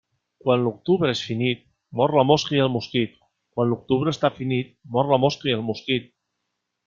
Quan l'octubre és finit, mor la mosca i el mosquit Quan l'octubre està finit, mor la mosca i el mosquit.